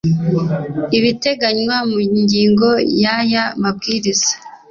ibiteganywa mu ngingo ya y aya mabwiriza